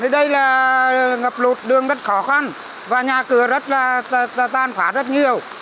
đây là ngập lụt đường rất khó khăn và nhà cửa rất là tàn phá rất nhiều